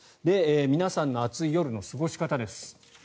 皆さんの暑い夜の過ごし方です。